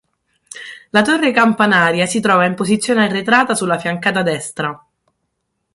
La Torre campanaria si trova in posizione arretrata sulla fiancata destra.